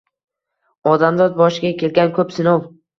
Odamzod boshiga kelgan ko’p sinov